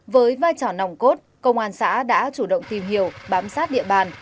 với vai trò nòng cốt công an xã đã chủ động tìm hiểu bám sát địa bàn